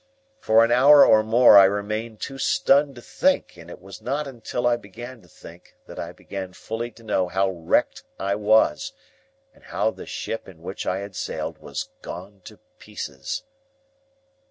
For an hour or more, I remained too stunned to think; and it was not until I began to think, that I began fully to know how wrecked I was, and how the ship in which I had sailed was gone to pieces.